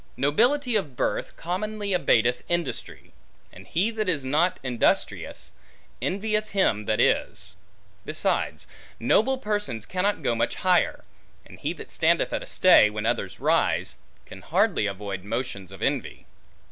Nobility of birth commonly abateth industry; and he that is not industrious, envieth him that is. Besides, noble persons cannot go much higher; and he that standeth at a stay, when others rise, can hardly avoid motions of envy.